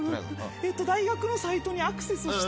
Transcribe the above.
大学のサイトにアクセスして。